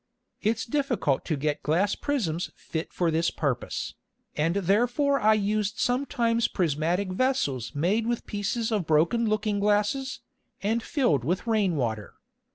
It's difficult to get Glass Prisms fit for this Purpose, and therefore I used sometimes prismatick Vessels made with pieces of broken Looking glasses, and filled with Rain Water.